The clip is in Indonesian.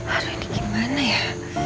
ada di gimana ya